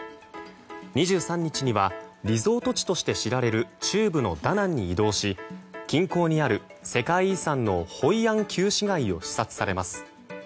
２３日にはリゾート地として知られる中部のダナンに移動し近郊にある世界遺産のホイアン旧市街を視察されます。